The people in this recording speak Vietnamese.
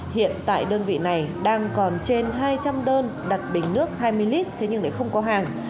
hiện tại đơn vị này đang còn trên hai trăm linh đơn đặt bình nước hai mươi lít thế nhưng lại không có hàng